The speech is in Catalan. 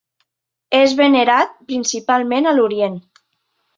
És venerat principalment a l'Orient.